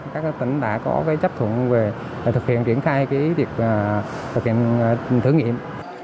các tỉnh đã có cái chấp thuận về thực hiện triển khai cái việc thực hiện thử nghiệm